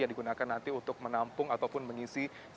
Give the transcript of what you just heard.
yang digunakan nanti untuk menampung ataupun mengisi